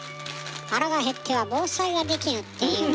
腹が減っては防災ができぬっていうものねえ。